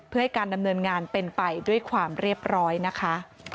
เพื่อให้การดำเนินงานเป็นไปด้วยความเรียบร้อยนะคะ